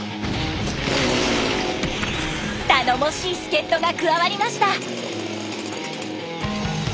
頼もしい助っとが加わりました。